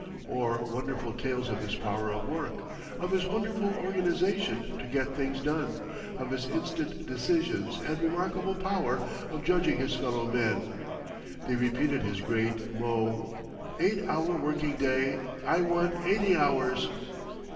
Or wonderful tales of his power of work, of his wonderful organisation to get things done, of his instant decisions and remarkable power of judging his fellow men. They repeated his great mot: "Eight hour working day—I want eighty hours!"